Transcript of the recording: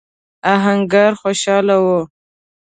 آهنګر خوشاله و.